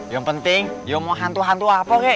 yang penting yang mau hantu hantu apa kek